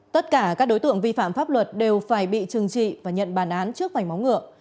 tất cả các đối tượng vi phạm pháp luật đều phải bị trừng trị và nhận bản án trước vảnh móng ngựa